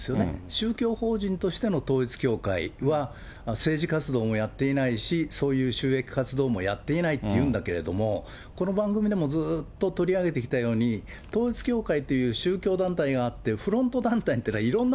宗教法人としての統一教会は、政治活動もやっていないし、そういう収益活動もやっていないっていうんだけれども、この番組でもずっと取り上げてきたように、統一教会という宗教団体があって、フロント団体というのは、いろん